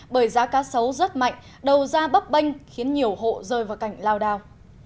bởi giá cá sấu rất mạnh đầu ra bắp banh khiến nhiều hộ rơi vào cảnh lao đào